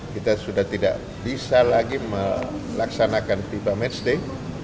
kita sudah tidak bisa lagi melaksanakan bipa match day